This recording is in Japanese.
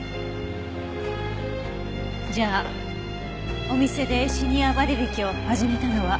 じゃあお店でシニア割引を始めたのは。